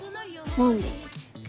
何で？